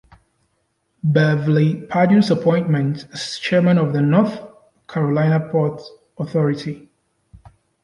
Beverly Perdue's appointment as chairman of the North Carolina Ports Authority.